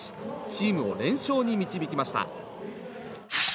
チームを連勝に導きました。